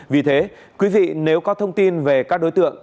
vì thế quý vị nếu có thông tin về các đối tượng